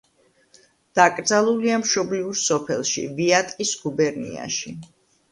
დაკრძალულია მშობლიურ სოფელში, ვიატკის გუბერნიაში.